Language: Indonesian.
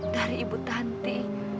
dari ibu tanti